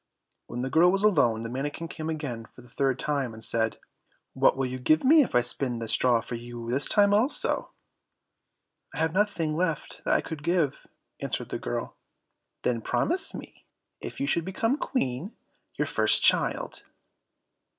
When the girl was alone the manikin came again for the third time, and said, "What will you give me if I spin the straw for you this time also?" "I have nothing left that I could give," answered the girl. "Then promise me, if you should become Queen, your first child."